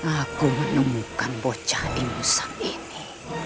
aku menemukan bocah imusak ini